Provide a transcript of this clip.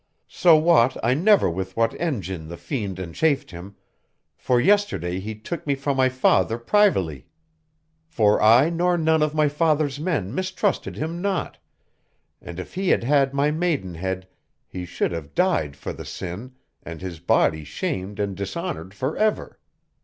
So wot I never with what engyn the fiend enchafed him, for yesterday he took me from my father privily: for I nor none of my father's men mistrusted him not, and if he had had my maidenhead he should have died for the sin, and his body shamed and dishonored for ever.